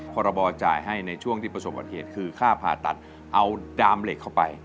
พรบจ่ายให้ในช่วงที่ประสบบัติเหตุคือค่าผ่าตัดเอาดามเหล็กเข้าไป